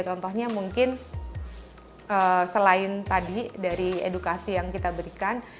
contohnya mungkin selain tadi dari edukasi yang kita berikan